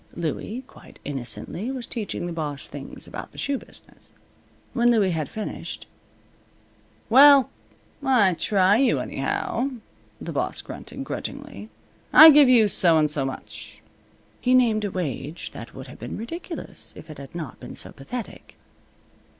Louie, quite innocently, was teaching the boss things about the shoe business. When Louie had finished "Well, I try you, anyhow," the boss grunted, grudgingly. "I give you so and so much." He named a wage that would have been ridiculous if it had not been so pathetic.